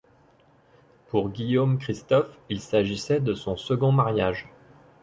Pour Guillaume Christophe, il s'agissait de son second mariage.